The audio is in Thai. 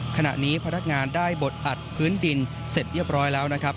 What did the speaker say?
ขณะนี้พนักงานได้บดอัดพื้นดินเสร็จเรียบร้อยแล้วนะครับ